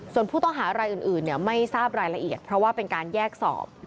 ส่วนผู้ต้องหารายอื่นไม่ทราบรายละเอียดเพราะว่าเป็นการแยกสอบ